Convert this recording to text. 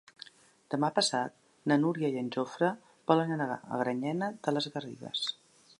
Demà passat na Núria i en Jofre volen anar a Granyena de les Garrigues.